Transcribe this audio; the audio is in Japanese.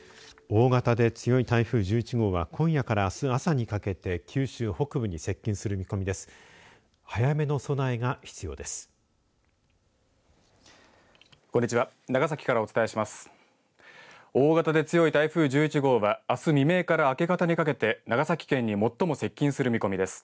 大型で強い台風１１号は今夜からあす朝にかけて九州北部に接近する見込みです。